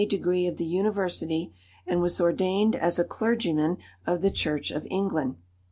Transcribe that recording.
degree of the University, and was ordained as a clergyman of the Church of England.